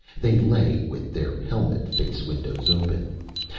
They lay with their helmet face windows open.